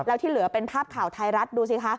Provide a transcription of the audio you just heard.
แล้วที่เหลือเป็นภาพข่าวไทยรัฐดูสิคะ